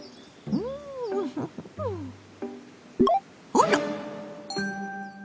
あら！